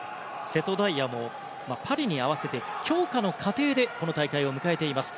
瀬戸大也もパリに合わせて強化の過程で、この大会を迎えています。